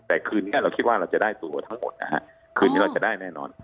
แต่คืนนี้เราคิดว่าเราจะได้ตัวทั้งหมดนะฮะคืนนี้เราจะได้แน่นอน